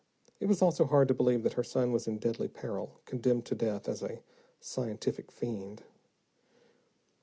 It was also hard to believe that her son was in deadly peril, condemned to death as a "scientific fiend."